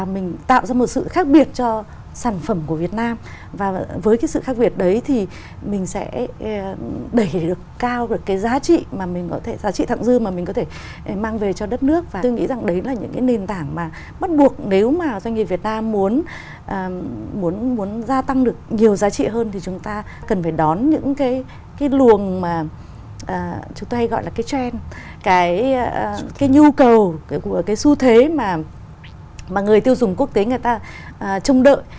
mà bắt buộc nếu mà doanh nghiệp việt nam muốn gia tăng được nhiều giá trị hơn thì chúng ta cần phải đón những cái luồng mà chúng ta hay gọi là cái trend cái nhu cầu cái xu thế mà người tiêu dùng quốc tế người ta trông đợi